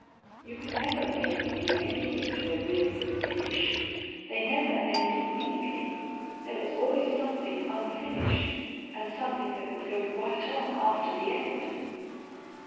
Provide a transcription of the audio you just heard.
You could never make believe anything to a real good finish. They never ended neatly there was always something unfinished, and something that would go right on after the end.